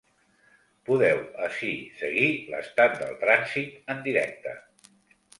Podeu ací seguir l’estat del trànsit en directe.